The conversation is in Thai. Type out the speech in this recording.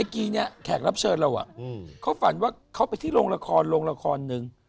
เขาฝันว่าเขาไปที่โลงราคอน